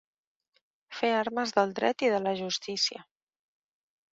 Fer armes del dret i de la justícia.